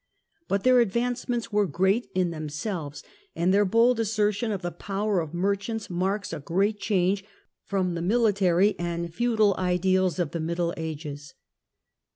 But their advancements were great in themselves, and their bold assertion of the power of merchants marks a great change from the military and feudal INTRODUCTION ix ideals of the Middle Ages.